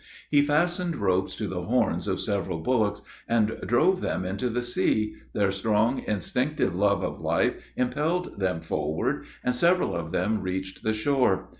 He fastened ropes to the horns of several bullocks, and drove them into the sea, their strong, instinctive love of life impelled them forward, and several of them reached the shore.